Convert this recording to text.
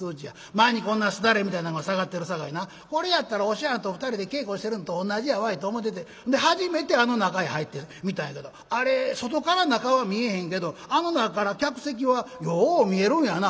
「前にこんなすだれみたいなんが下がってるさかいなこれやったらお師匠はんと２人で稽古してるのと同じやわいと思うてて初めてあの中へ入ってみたんやけどあれ外から中は見えへんけどあの中から客席はよう見えるんやな」。